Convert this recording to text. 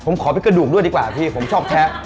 ผมขอเป็นกระดูกด้วยดีกว่าพี่ผมชอบแชะ